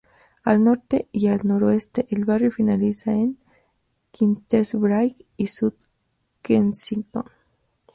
Al norte y al noroeste, el barrio finaliza en Knightsbridge y South Kensington.